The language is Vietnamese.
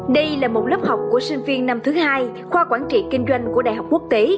đây là một lớp học của sinh viên năm thứ hai khoa quản trị kinh doanh của đại học quốc tế